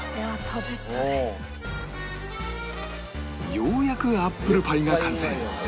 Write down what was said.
ようやくアップルパイが完成